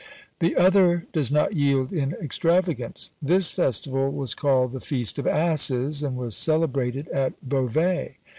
The other does not yield in extravagance. "This festival was called the Feast of Asses, and was celebrated at Beauvais.